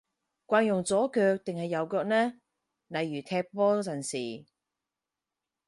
慣用左腳定係右腳呢？例如踢波陣時